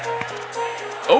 ya itu dia